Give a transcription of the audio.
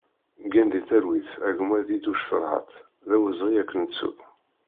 Gen di talwit a gma Diduc Ferḥat, d awezɣi ad k-nettu!